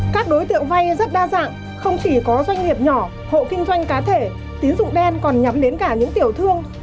các đối tượng vay rất đa dạng không chỉ có doanh nghiệp nhỏ hộ kinh doanh cá thể tín dụng đen còn nhắm đến cả những tiểu thương